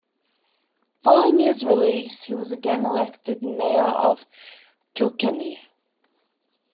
Following his release he was again elected mayor of Kilkenny.